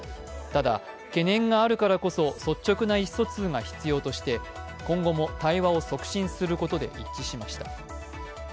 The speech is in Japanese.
ただ、懸念があるからこそ率直な意思疎通が必要として今後も対話を促進することで一致しました。